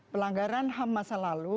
pelanggaran ham masa lalu